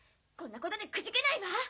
こんな事でくじけないわ！